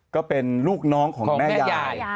ก็เป็นลูกน้องของแม่ยาย